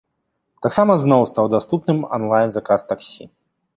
Таксама зноў стаў даступным анлайн-заказ таксі.